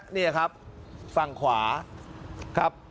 นี่ครับฝั่งขวาครับ